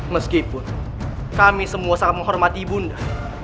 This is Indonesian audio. meskipun kami semua sangat menghormati bunda